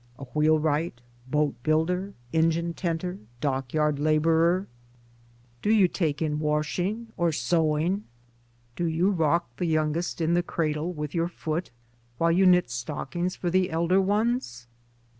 a wheel wright, boat builder, engine tenter, dockyard laborer ? do you take in washing or sewing, do you rock the youngest in the cradle with your foot while you knit stockings for the elder ones?